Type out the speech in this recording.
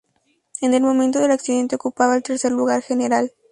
En el momento del accidente ocupaba el tercer lugar general.